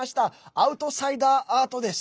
アウトサイダーアートです。